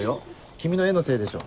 君の絵のせいでしょ。